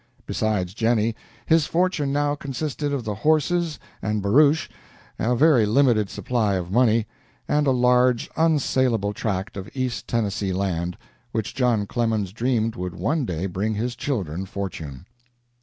Besides Jennie, his fortune now consisted of the horses and barouche, a very limited supply of money, and a large, unsalable tract of east Tennessee land, which John Clemens dreamed would one day bring his children fortune.